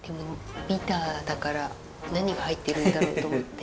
ビターだから何が入ってるんだろうと思って。